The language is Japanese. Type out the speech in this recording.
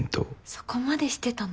そこまでしてたの？